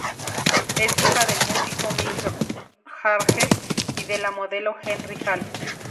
Es hija del músico Mick Jagger y de la modelo Jerry Hall.